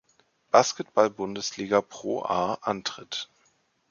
Basketballbundesliga-ProA antritt.